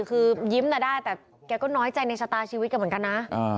คือยิ้มได้แต่แกก็น้อยใจในชะตาชีวิตแกเหมือนกันนะ